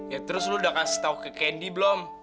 ya terus lo udah kasih tau ke candy belum